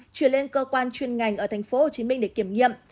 chuyển lên cơ quan chuyên ngành ở tp hcm để kiểm nghiệm